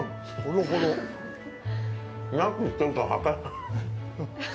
何て言ってるか分からない。